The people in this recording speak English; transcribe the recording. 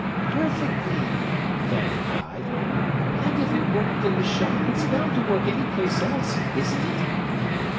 "Perfectly!" Fanny cried. "And if it worked in the shop it's bound to work any place else, isn't it?"